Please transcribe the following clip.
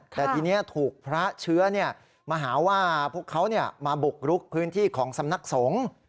แต่ทีนี้ถูกพระเชื้อมาหาว่าพวกเขามาบุกรุกพื้นที่ของสำนักสงฆ์